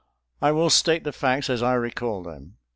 I will state the facts as I recall them.